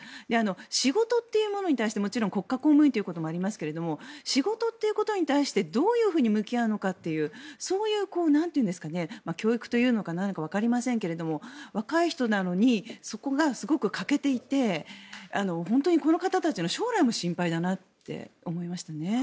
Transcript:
仕事というものに対してもちろん国家公務員ということもありますが仕事ということに対してどう向き合うのかという教育というかわかりませんが若い人なのにそこがすごく欠けていて本当にこの方たちの将来も心配だなと思いましたね。